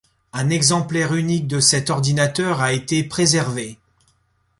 Un exemplaire unique de cet ordinateur a été préservé.